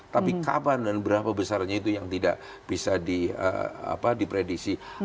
tapi kapan dan berapa besarnya itu yang tidak bisa diprediksi